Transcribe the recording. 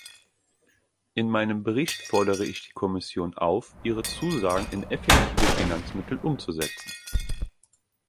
In meinem Bericht fordere ich die Kommission auf, ihre Zusagen in effektive Finanzmittel umzusetzen.